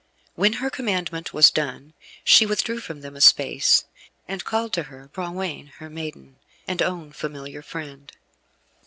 When her commandment was done she withdrew from them a space, and called to her Brangwaine, her maiden, and own familiar friend.